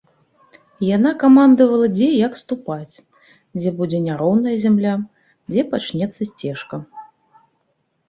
Яна камандавала, дзе як ступаць, дзе будзе няроўная зямля, дзе пачнецца сцежка.